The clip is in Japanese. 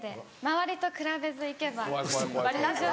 周りと比べず行けば大丈夫。